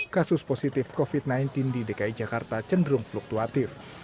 kasus positif covid sembilan belas di dki jakarta cenderung fluktuatif